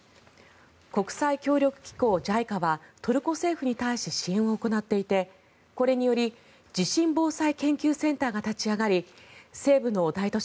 国際協力機構・ＪＩＣＡはトルコ政府に対して支援を行っていてこれにより地震防災研究センターが立ち上がり西部の大都市